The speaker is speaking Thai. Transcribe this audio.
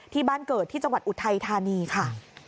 ที่บ้านเกิดที่จังหวัดอุทัยธานีค่ะ